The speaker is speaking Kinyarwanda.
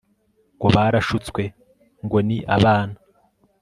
ngo barashutswe ngo ni abana